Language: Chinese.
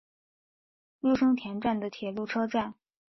入生田站的铁路车站。